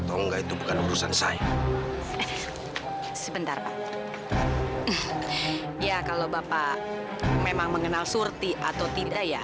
sampai jumpa di video selanjutnya